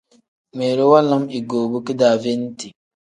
Ngmiilu waala igoobu kidaaveeniti.